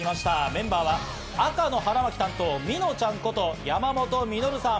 メンバーは赤の腹巻き担当、みのちゃんこと山本稔さん。